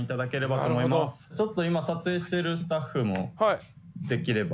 ちょっと今撮影してるスタッフもできれば。